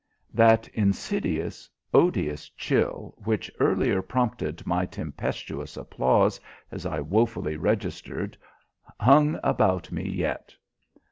That insidious, odious chill which earlier prompted my tempestuous applause, as I woefully registered, hung about me yet.